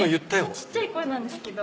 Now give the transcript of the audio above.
ちっちゃい声なんですけど。